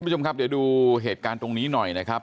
คุณผู้ชมครับเดี๋ยวดูเหตุการณ์ตรงนี้หน่อยนะครับ